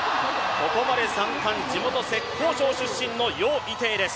ここまで３冠地元・浙江省出身の余依テイです。